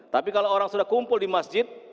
tapi kalau orang sudah kumpul di masjid